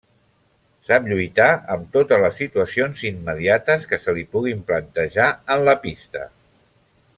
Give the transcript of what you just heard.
Sap lluitar amb totes les situacions immediates que se li puguin plantejar en la pista.